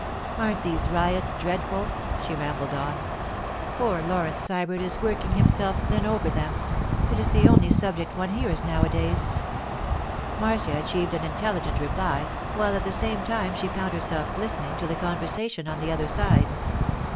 Aren't these riots dreadful?' she rambled on. 'Poor Laurence Sybert is working himself thin over them. It is the only subject one hears nowadays.' Marcia achieved an intelligent reply, while at the same time she found herself listening to the conversation on the other side.